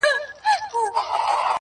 تك سپين زړگي ته دي پوښ تور جوړ كړی.